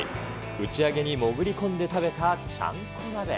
打ち上げに潜り込んで食べたちゃんこ鍋。